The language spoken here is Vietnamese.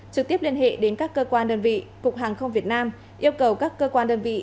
trực tiếp liên hệ đến các cơ quan đơn vị cục hàng không việt nam yêu cầu các cơ quan đơn vị